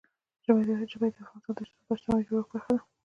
ژبې د افغانستان د اجتماعي جوړښت برخه ده.